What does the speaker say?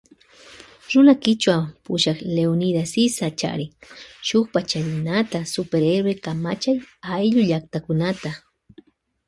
Runa kichwa pushak Leonidas Iza charin shuk pachalinata Super Héroe kamachay ayllu llaktakunata.